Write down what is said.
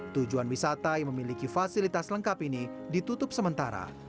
tujuan wisata yang memiliki fasilitas lengkap ini ditutup sementara